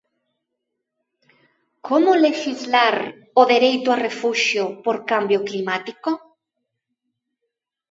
Como lexislar o dereito a refuxio por cambio climático?